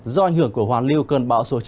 do ảnh hưởng của hoàn lưu cơn bão số chín